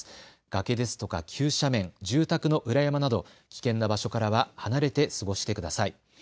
崖ですとか急斜面、住宅の裏山など危険な場所からは離れて過ごしてください。